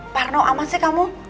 parno aman sih kamu